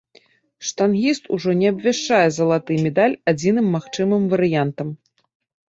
Штангіст ужо не абвяшчае залаты медаль адзіным магчымым варыянтам.